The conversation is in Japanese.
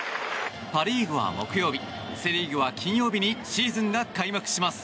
パ・リーグは木曜日セ・リーグは金曜日にシーズンが開幕します。